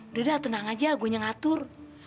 udah udah tenang aja gue yang ngatur